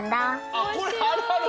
あこれあるある！